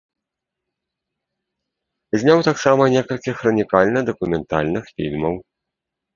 Зняў таксама некалькі хранікальна-дакументальных фільмаў.